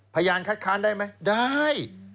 พยานคัดค้านได้ไหมได้